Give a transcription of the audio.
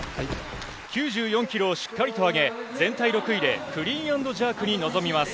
９４キロをしっかりと挙げ、全体６位でクリーンアンドジャークに臨みます。